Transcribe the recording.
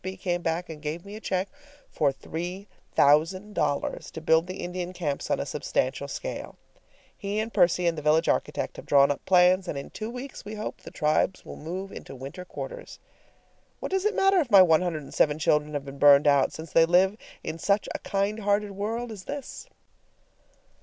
F. B. came back and gave me a check for $3000 to build the Indian camps on a substantial scale. He and Percy and the village architect have drawn up plans, and in two weeks, we hope, the tribes will move into winter quarters. What does it matter if my one hundred and seven children have been burned out, since they live in such a kind hearted world as this?